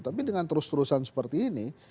tapi dengan terus terusan seperti ini